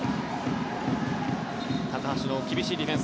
高橋の厳しいディフェンス。